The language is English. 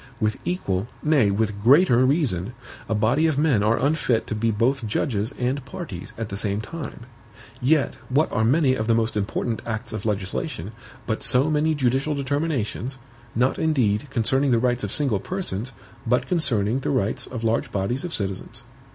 With equal, nay with greater reason, a body of men are unfit to be both judges and parties at the same time; yet what are many of the most important acts of legislation, but so many judicial determinations, not indeed concerning the rights of single persons, but concerning the rights of large bodies of citizens?